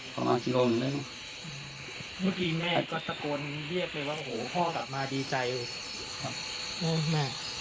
ประมาณกิโลหนึ่งได้ไหม